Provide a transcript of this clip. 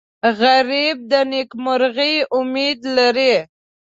غریب د نیکمرغۍ امید لري